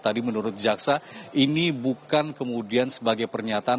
tadi menurut jaksa ini bukan kemudian sebagai pernyataan